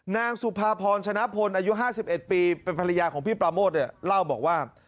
นางสุภาพรชนะพลอายุ๕๑ปีเป็นภรรยาของพี่ปราโมทเนี่ยเล่าบอกว่า